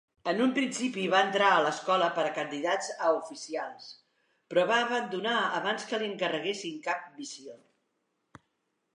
En un principi va entrar a l'Escola per a candidats a Oficials, però va abandonar abans que li encarreguessin cap missió.